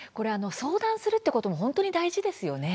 相談するっていうことも本当に大事ですよね。